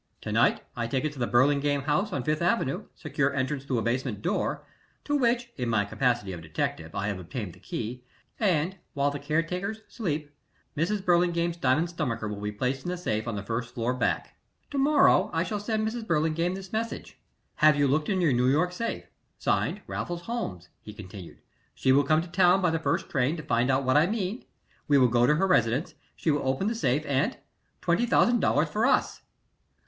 To night I take it to the Burlingame house on Fifth Avenue, secure entrance through a basement door, to which, in my capacity of detective, I have obtained the key, and, while the caretakers sleep, Mrs. Burlingame's diamond stomacher will be placed in the safe on the first floor back. "To morrow morning I shall send Mrs. Burlingame this message: 'Have you looked in your New York safe? [Signed] Raffles Holmes,'" he continued. "She will come to town by the first train to find out what I mean; we will go to her residence; she will open the safe, and $20,000 for us."